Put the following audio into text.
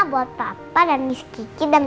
buat papa dan miski dan